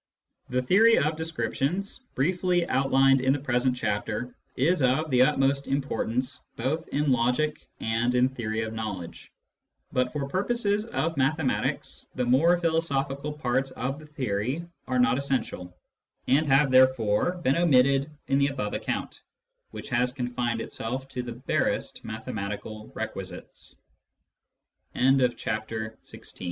The theory of descriptions, briefly outlined in the present chapter, is of the utmost importance both in logic and in theory of knowledge. But for purposes of mathematics, the more philosophical parts of the theory are not essential, and have therefore been omitted in the above account, which has confined itself to t